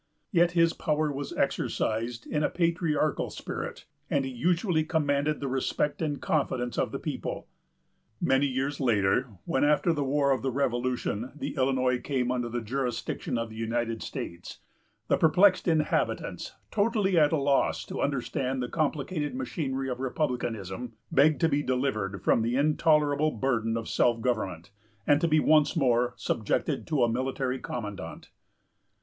Yet his power was exercised in a patriarchal spirit, and he usually commanded the respect and confidence of the people. Many years later, when, after the War of the Revolution, the Illinois came under the jurisdiction of the United States, the perplexed inhabitants, totally at a loss to understand the complicated machinery of republicanism, begged to be delivered from the intolerable burden of self government, and to be once more subjected to a military commandant.